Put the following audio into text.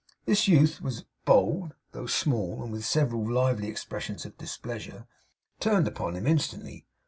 This youth was bold, though small, and with several lively expressions of displeasure, turned upon him instantly.